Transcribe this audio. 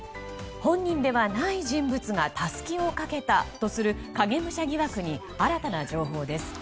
本人ではない人物がタスキをかけたとする影武者疑惑に新たな情報です。